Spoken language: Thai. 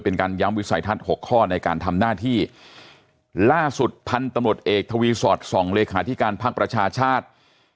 ในการทำหน้าที่ล่าสุดพันธุ์ตำรวจเอกทวีสอด๒เลขาธิการภาคประชาชาติ